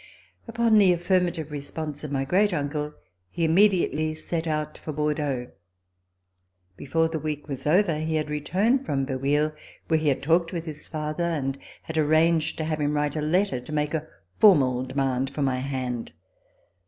Upon the affirmative response of my great uncle, he im mediately set out for Bordeaux. Before the week was over he had returned from Le Bouilh where he had talked with his father and had arranged to have him write a letter to make a formal demand for my hand.